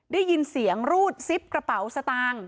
ได้ยินเสียงรูดซิปกระเป๋าสตางค์